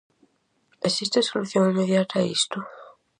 Existe solución inmediata a isto?